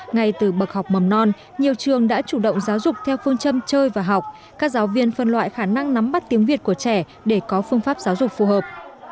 ngay từ bậc học mầm non nhiều trường đã chủ động giáo dục theo phương châm chơi và học các giáo viên phân loại khả năng nắm bắt tiếng việt của trẻ để có phương pháp giáo dục phù hợp